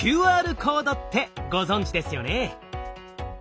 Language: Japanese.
ＱＲコードってご存じですよね？